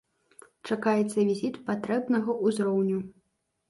Чакаецца візіт патрэбнага ўзроўню.